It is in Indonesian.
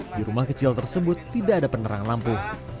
di rumah kecil tersebut tidak ada penerang lampu